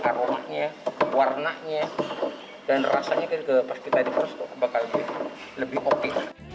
aromanya warnanya dan rasanya pas kita diproses itu bakal lebih oke